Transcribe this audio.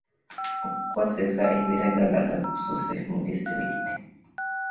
Okukozesa ebiragalalagala kussuse mu disitulikiti.